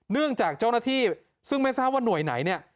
เนื่องจากเจ้าหน้าที่ซึ่งไม่ทราบว่าหน่วยไหนเนี่ย